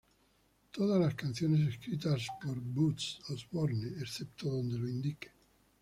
Todas las canciones escritas por Buzz Osborne excepto donde lo indique.